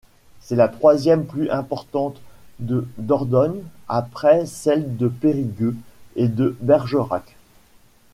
C'est la troisième plus importante de Dordogne après celles de Périgueux et de Bergerac.